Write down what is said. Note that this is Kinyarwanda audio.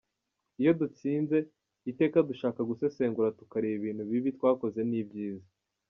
"Iyo dutsinze, iteka dushaka gusesengura tukareba ibintu bibi twakoze n'ibyiza".